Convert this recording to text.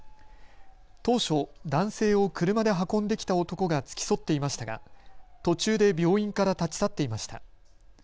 当初、男性を車で運んできた男が付き添っていましたが途中で病院から立ち去っていました。